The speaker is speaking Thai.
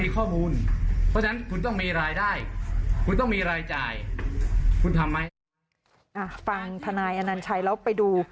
ก็ฟังทะนายอนันท์ใช้เราไปดู